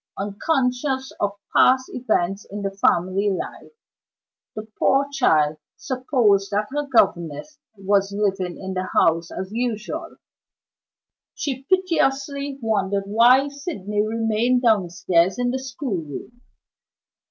Unconscious of past events in the family life, the poor child supposed that her governess was living in the house as usual. She piteously wondered why Sydney remained downstairs in the schoolroom.